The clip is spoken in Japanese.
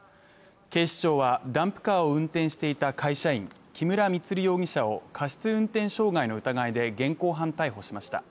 警視庁は、ダンプカーを運転していた会社員、木村充容疑者を過失運転傷害の疑いで現行犯逮捕しました。